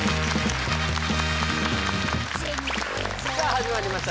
さあ始まりました